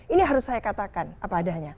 ini harus saya katakan apa adanya